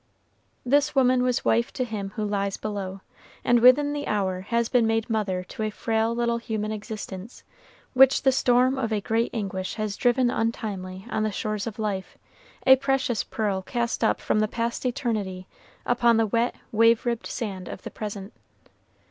This woman was wife to him who lies below, and within the hour has been made mother to a frail little human existence, which the storm of a great anguish has driven untimely on the shores of life, a precious pearl cast up from the past eternity upon the wet, wave ribbed sand of the present.